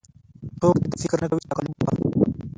څوک دې دا فکر نه کوي چې تقلب به.